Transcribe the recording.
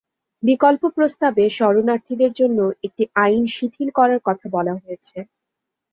বিকল্প প্রস্তাবে শরণার্থীদের জন্য একটি আইন শিথিল করার কথা বলা হয়েছে।